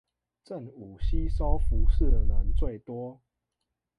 正午吸收輻射能最多